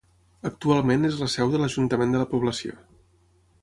Actualment és la seu de l'ajuntament de la població.